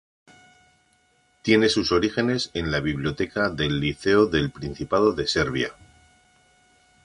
Tiene sus orígenes en la biblioteca del "Liceo del Principado de Serbia".